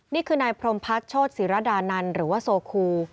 นี่คือนายพรมพักโชธศิรดานันหรือว่าโซคู